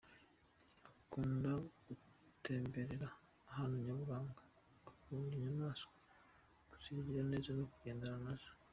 Akunda gutemberera ahantu nyaburanga, akunda inyamaswa kuzigirira neza no kugendana nazo.